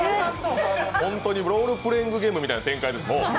本当にロールプレイングゲームみたいな展開です。